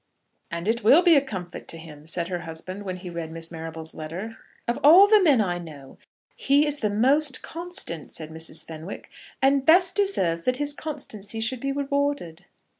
"And it will be a comfort to him," said her husband when he read Miss Marrable's letter. "Of all the men I know, he is the most constant," said Mrs. Fenwick, "and best deserves that his constancy should be rewarded."